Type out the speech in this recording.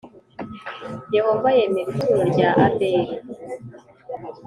Yehova yemera ituro rya Abeli